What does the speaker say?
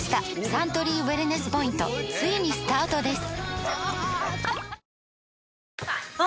サントリーウエルネスポイントついにスタートです！